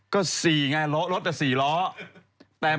ก็๔ไงรถแต่๔ร้อ